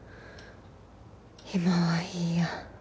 今はいいや。